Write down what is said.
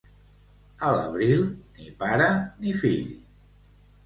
A l'abril, ni pare ni fill.